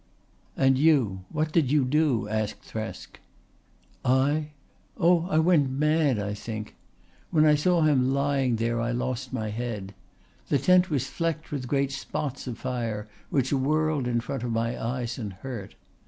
"And you? What did you do?" asked Thresk. "I? Oh, I went mad, I think. When I saw him lying there I lost my head. The tent was flecked with great spots of fire which whirled in front of my eyes and hurt.